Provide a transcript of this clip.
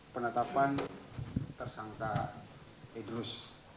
penetapan tersangka idrus